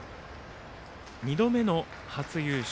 ２度目の初優勝。